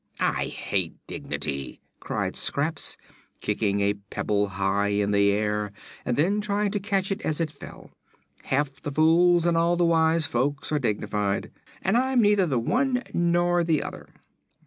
"I hate dignity," cried Scraps, kicking a pebble high in the air and then trying to catch it as it fell. "Half the fools and all the wise folks are dignified, and I'm neither the one nor the other."